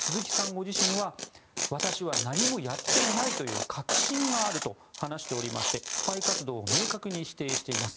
ご自身は私は何もやっていないという確信があると話しておりましてスパイ活動を明確に否定しています。